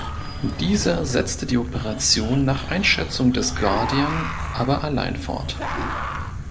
Dieser setzte die Operation nach Einschätzung des "Guardian" aber alleine fort.